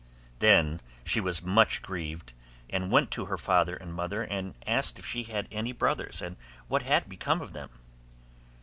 Then she was much grieved, and went to her father and mother, and asked if she had any brothers, and what had become of them.